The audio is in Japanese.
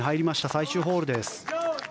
最終ホールです。